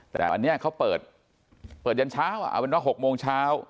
แต่อันนี้เขาเปิดยันเช้าเอาเป็นว่า๖โมงเช้า